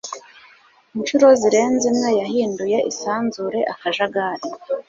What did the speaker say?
inshuro zirenze imwe yahinduye isanzure akajagari